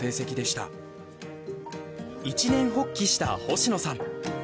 一念発起した星野さん。